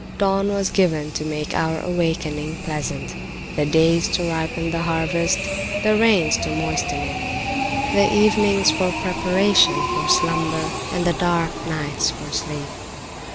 Dawn was given to make our awakening pleasant, the days to ripen the harvest, the rains to moisten it, the evenings for preparation for slumber, and the dark nights for sleep.